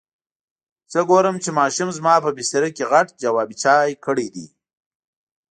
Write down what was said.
څه ګورم چې ماشوم زما په بستره کې غټ جواب چای کړی دی.